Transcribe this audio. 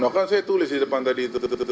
nah kan saya tulis di depan tadi